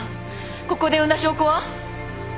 ここで産んだ証拠は？